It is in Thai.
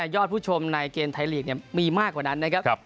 ผู้ชมในเกมไทยลีกมีมากกว่านั้นนะครับ